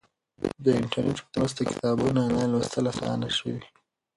د انټرنیټ په مرسته کتابونه آنلاین لوستل اسانه شوي.